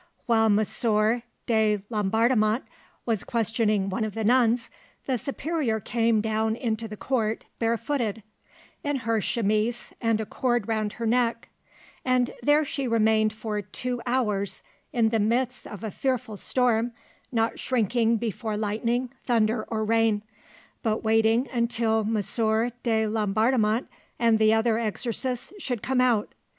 While M. de Laubardemont was questioning one of the nuns, the superior came down into the court, barefooted; in her chemise, and a cord round her neck; and there she remained for two hours, in the midst of a fearful storm, not shrinking before lightning, thunder, or rain, but waiting till M. de Laubardemont and the other exorcists should come out.